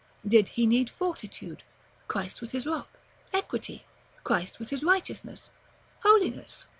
Did he need fortitude? Christ was his rock: Equity? Christ was his righteousness: Holiness?